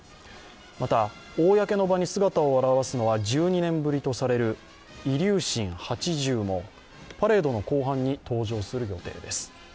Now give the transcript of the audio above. また、公の場に姿を現すのは１２年ぶりとされるイリューシン８０もパレードの後半に登場する予定です。